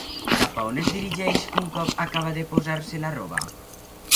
Cap a on es dirigeix un cop acaba de posar-se la roba?